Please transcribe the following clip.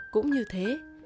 cũng như thế